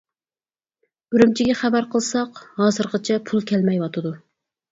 ئۈرۈمچىگە خەۋەر قىلساق، ھازىرغىچە پۇل كەلمەيۋاتىدۇ.